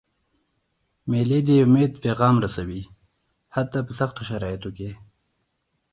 مېلې د امید پیغام رسوي، حتی په سختو شرایطو کي.